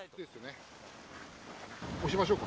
押しましょうか。